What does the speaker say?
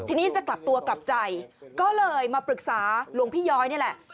ทีนี้จะกลับตัวกลับใจก็เลยมาปรึกษาหลวงพี่ย้อยนี่แหละ